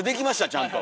ちゃんと。